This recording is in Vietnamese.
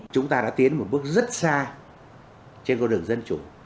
chúng ta đã tiến một bước rất xa trên con đường dân chủ